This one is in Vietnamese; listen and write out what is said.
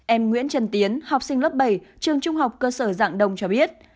em nguyễn trần tiến học sinh lớp bảy trường trung học cơ sở giảng đông cho biết